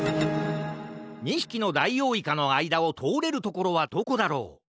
２ひきのダイオウイカのあいだをとおれるところはどこだろう？